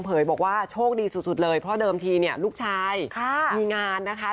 บอกว่าโชคดีสุดเลยเพราะเดิมทีเนี่ยลูกชายมีงานนะคะ